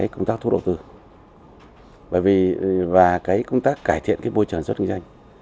công tác thu hút đầu tư và công tác cải thiện môi trường xuất nguyên danh